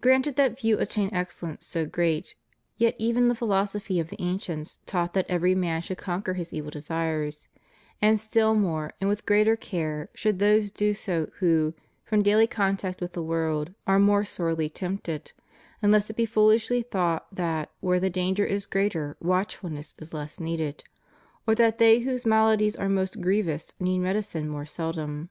Granted that few attain excellence so great, yet even the philosophy of the ancients taught that every man should conquer his evil desires; and still more and with greater care should those do so who, from daily contact with the world, are more sorely tempted — unless it be foolishly thought that where the danger is greater watchfulness is less needed, or that they whose maladies are most grievous need medicine more seldom.